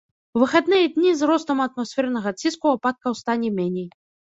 У выхадныя дні з ростам атмасфернага ціску ападкаў стане меней.